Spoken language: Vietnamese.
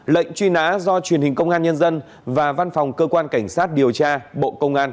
lệnh truy nã do truyền hình công an nhân dân và văn phòng cơ quan cảnh sát điều tra bộ công an